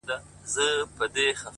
• جهاني زه هم لکه شمع سوځېدل مي زده دي,